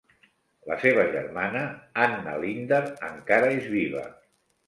La seva germana, Anna Linder, encara és viva.